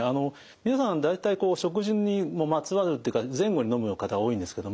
皆さん大体食事にまつわるっていうか前後にのむ方多いんですけども。